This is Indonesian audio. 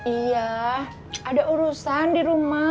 iya ada urusan di rumah